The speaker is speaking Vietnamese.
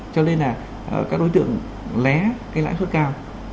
cho nên là các đối tượng lé cái lãi suất cao